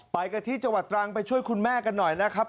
ไปกันที่จังหวัดตรังไปช่วยคุณแม่กันหน่อยนะครับ